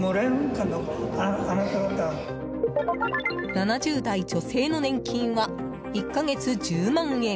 ７０代女性の年金は１か月１０万円。